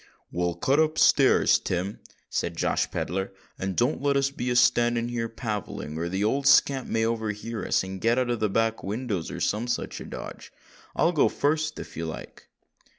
"Well, cut up stairs, Tim," said Josh Pedler, "and don't let us be a standing here palavering—or the old scamp may overhear us and get out by the back windows, or some such a dodge. I'll go fust, if you like."